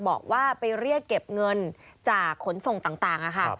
บอกว่าไปเรียกเก็บเงินจากขนส่งต่างค่ะ